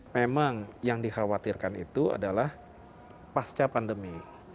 memang yang dikhawatirkan itu adalah pasca pandemi